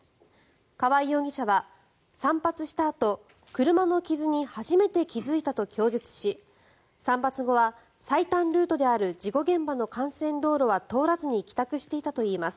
川合容疑者は散髪したあと車の傷に初めて気付いたと供述し散髪後は最短ルートである事故現場の幹線道路は通らずに帰宅していたといいます。